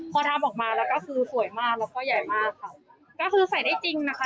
พอทำออกมาแล้วก็คือสวยมากแล้วก็ใหญ่มากค่ะก็คือใส่ได้จริงนะคะ